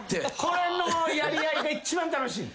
これのやり合いが一番楽しい。